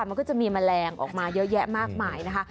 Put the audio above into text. มันก็จะมีแมลงออกมาเยอะแยะมากมายนะคะ